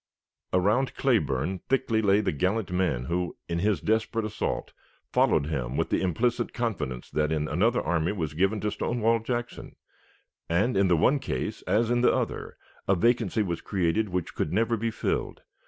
Around Cleburne thickly lay the gallant men who, in his desperate assault, followed him with the implicit confidence that in another army was given to Stonewall Jackson; and in the one case, as in the other, a vacancy was created which could never be filled.